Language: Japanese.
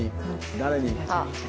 誰に？